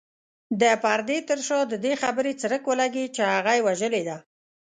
د پردې تر شا د دې خبرې څرک ولګېد چې هغه يې وژلې ده.